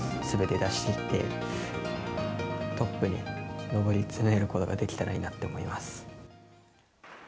すべて出しきって、トップに上り詰めることができたらいいなと思います。